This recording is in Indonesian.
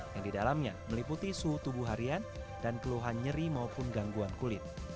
yang didalamnya meliputi suhu tubuh harian dan keluhan nyeri maupun gangguan kulit